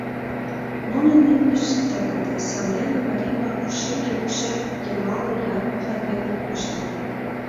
Нунын имньышт тыгыде, сандене марий-влак пушеҥге укшер йымалне янлыкла веле коштыт.